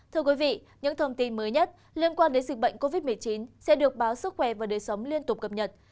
thưa quý vị những thông tin mới nhất liên quan đến dịch bệnh covid một mươi chín sẽ được báo sức khỏe và đời sống liên tục cập nhật